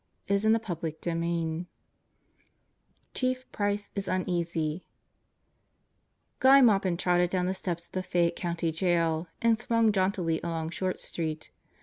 . 203 CHAPTER ONE Chief Price Is Uneasy GUY MAUPIN trotted down the steps of the Fayette County Jail and swung jauntily along Short Street.